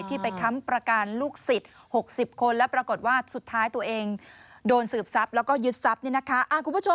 ที่ไปค้ำประการลูกศิษย์๖๐คนและปรากฏว่าสุดท้ายตัวเองโดนสืบทรัพย์และยึดทรัพย์